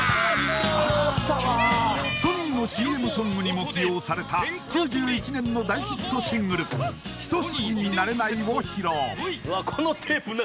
ソニーのＣＭソングにも起用された９１年の大ヒットシングル「ひとすじになれない」を披露